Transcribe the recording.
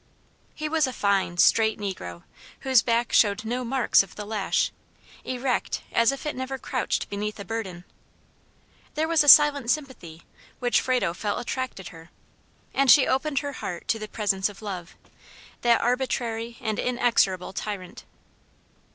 He was a fine, straight negro, whose back showed no marks of the lash, erect as if it never crouched beneath a burden. There was a silent sympathy which Frado felt attracted her, and she opened her heart to the presence of love that arbitrary and inexorable tyrant.